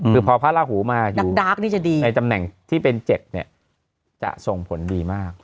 คือพอพระลาหูมาอยู่ในจำแหน่งที่เป็น๗เนี่ยจะส่งผลดีมาก